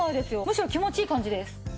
むしろ気持ちいい感じです。